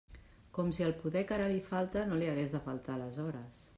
Com si el poder que ara li falta no li hagués de faltar aleshores!